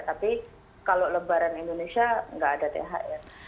tapi kalau lebaran indonesia nggak ada thr